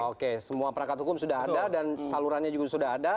oke semua perangkat hukum sudah ada dan salurannya juga sudah ada